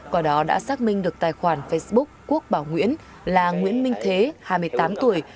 quả đó đã xác minh được tài khoản facebook quốc bảo nguyễn là nguyễn minh thế hai mươi tám tuổi